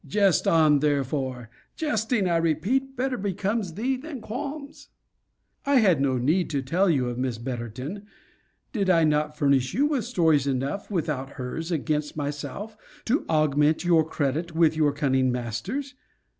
Jest on, therefore. Jesting, I repeat, better becomes thee than qualms. I had no need to tell you of Miss Betterton. Did I not furnish you with stories enough, without hers, against myself, to augment your credit with your cunning masters?